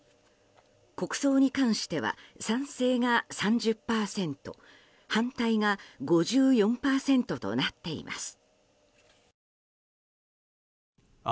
国葬に関しては賛成が３０％反対が５４％となっています。